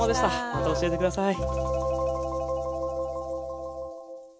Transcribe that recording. また教えて下さい。